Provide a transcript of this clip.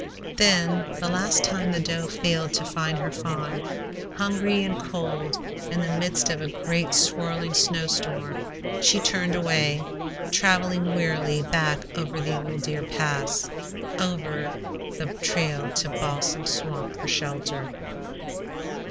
Then, the last time the doe failed to find her fawn, hungry and cold, in the midst of a great swirling snow storm, she turned away, traveling wearily back over the old Deer Pass, over the trail to Balsam Swamp for shelter.